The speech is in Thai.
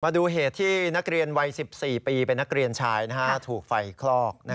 มาดูเหตุที่นักเรียนวัย๑๔ปีเป็นนักเรียนชายถูกไฟคลอก